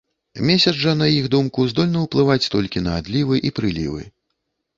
Месяц жа, на іх думку, здольны ўплываць толькі на адлівы і прылівы.